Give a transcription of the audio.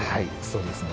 そうですね。